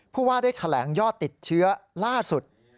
ผู้ว่าได้แถลงยอดติดเชื้อล่าสุด